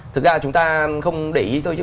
thực ra chúng ta không để ý thôi chứ